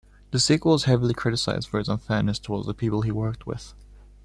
The sequel was heavily criticised for his unfairness towards the people he worked with.